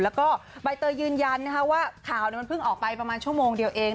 แล้วก็ใบเตยยืนยันว่าข่าวมันเพิ่งออกไปประมาณชั่วโมงเดียวเอง